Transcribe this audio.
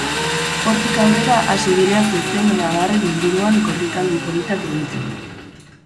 Hortik aurrera hasi dira zezenen adarren inguruan korrikaldi politak egiten.